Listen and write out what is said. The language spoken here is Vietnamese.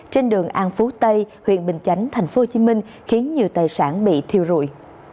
trên đường an phú tây huyện bình chánh tp hcm khiến nhiều tài sản bị thiêu rụi